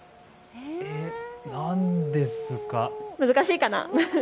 難しいかな。